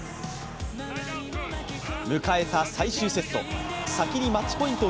迎えた最終セット。